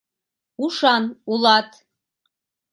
— Ушан улат...